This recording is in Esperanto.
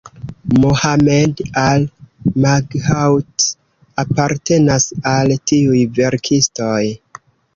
Mohamed Al-Maghout apartenas al tiuj verkistoj.